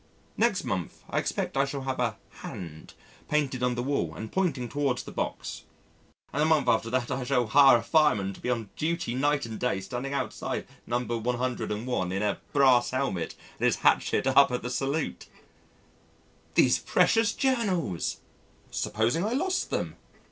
Next month, I expect I shall have a "hand" painted on the wall and pointing towards the box. And the month after that I shall hire a fireman to be on duty night and day standing outside No. 101 in a brass helmet and his hatchet up at the salute. These precious Journals! Supposing I lost them!